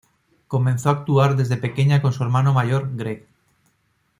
Comenzó a actuar desde pequeña con su hermano mayor, Greg.